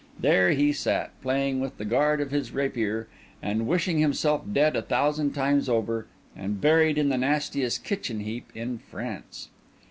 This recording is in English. There he sat, playing with the guard of his rapier, and wishing himself dead a thousand times over, and buried in the nastiest kitchen heap in France.